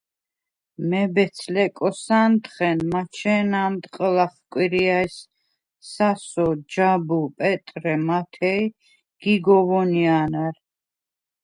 მებეც-ლეკოსა̄ნდხენ მაჩენა̄მდ ყჷლახ კვირიაჲს სასო, ჯაბუ, პეტრე, მათე ი გიგო ვონია̄ნარ.